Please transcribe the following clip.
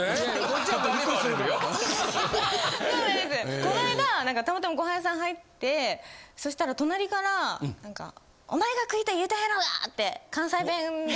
この間なんかたまたまご飯屋さん入ってそしたら隣からなんか「お前が食いたい言うたやろうが」って関西弁で。